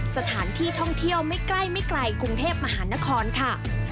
สถานที่ท่องเที่ยวไม่ไกลคุงเทพมหานครค่ะ